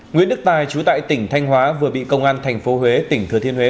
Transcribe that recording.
nguyễn đức tài chú tại tỉnh thanh hóa vừa bị công an tp huế tỉnh thừa thiên huế